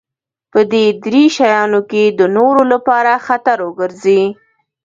په دې درې شيانو کې د نورو لپاره خطر وګرځي.